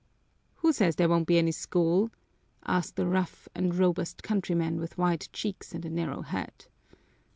"Who says there won't be any school?" asked a rough and robust countryman with wide cheeks and a narrow head.